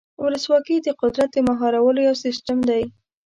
ولسواکي د قدرت د مهارولو یو سیستم دی.